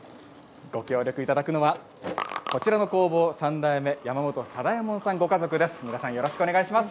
ご協力いただくのはこちらの工房三代目山本貞右衛門さんご家族です。